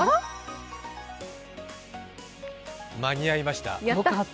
間に合いました。